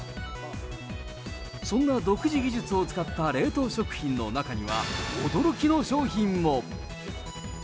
そんな独自技術を使った冷凍食品の中には、驚きの商品も。